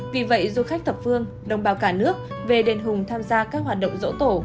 vì vậy du khách thập phương đồng bào cả nước về đền hùng tham gia các hoạt động dỗ tổ